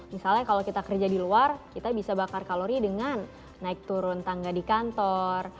misalnya kalau kita kerja di luar kita bisa bakar kalori dengan naik turun tangga di kantor